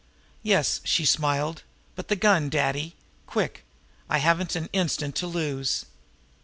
"Yes," she smiled. "But the gun, Daddy. Quick! I haven't an instant to lose."